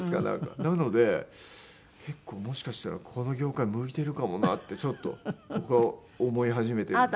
なので結構もしかしたらこの業界向いてるかもなってちょっと僕は思い始めて。